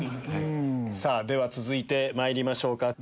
では続いてまいりましょうか。